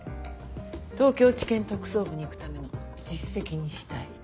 東京地検特捜部に行くための実績にしたい。